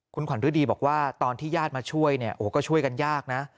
คุณขวัญฤดีบอกว่าตอนที่ญาติมาช่วยเนี่ยโอ้ก็ช่วยกันยากนะ